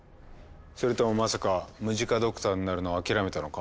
それともまさかムジカドクターになるのを諦めたのか？